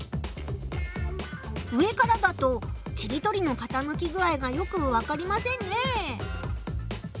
上からだとちりとりのかたむき具合がよくわかりませんね。